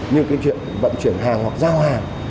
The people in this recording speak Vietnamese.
như cái chuyện vận chuyển hàng hoặc giao hàng